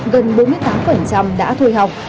gần bốn mươi tám đã thôi học